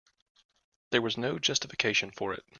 There was no justification for it.